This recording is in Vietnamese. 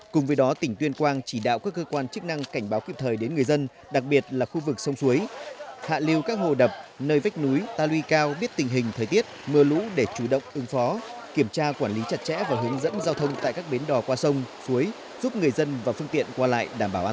cùng với đó tỉnh tuyên quang chỉ đạo các cơ quan chức năng cảnh báo kịp thời đến người dân đặc biệt là khu vực sông suối hạ lưu các hồ đập nơi vách núi ta lưu cao biết tình hình thời tiết mưa lũ để chủ động ứng phó kiểm tra quản lý chặt chẽ và hướng dẫn giao thông tại các bến đò qua sông suối giúp người dân và phương tiện qua lại đảm bảo an toàn